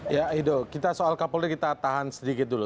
ya ido kita soal kapolri kita tahan sedikit dulu